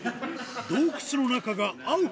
洞窟の中が青く